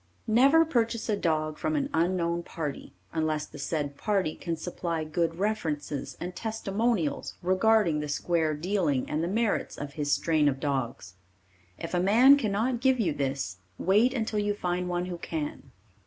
Never purchase a dog from an unknown party unless the said party can supply good references and testimonials regarding the square dealing and the merits of his strain of dogs. If a man cannot give you this, wait until you find one who can.